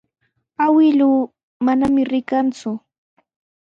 Awkilluu manami rikanku.